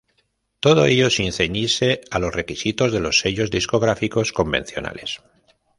Todo ello sin ceñirse a los requisitos de los sellos discográficos convencionales.